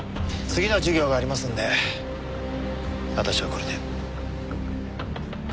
次の授業がありますので私はこれで。